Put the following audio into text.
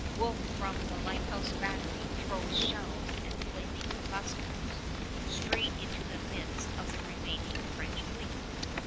Wolfe from the Lighthouse Battery throws shells and flaming combustibles straight into the midst of the remaining French fleet.